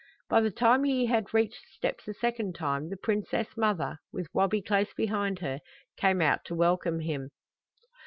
By the time he had reached the steps a second time the princess mother, with Wabi close behind her, came out to welcome him.